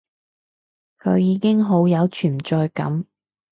佢已經好有存在感